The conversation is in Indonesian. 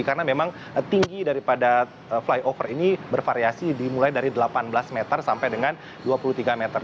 karena memang tinggi daripada flyover ini bervariasi dimulai dari delapan belas meter sampai dengan dua puluh tiga meter